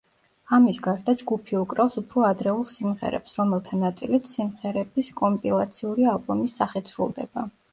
ამის გარდა, ჯგუფი უკრავს უფრო ადრეულ სიმღერებს, რომელთა ნაწილიც სიმღერების კომპილაციური ალბომის სახით სრულდება.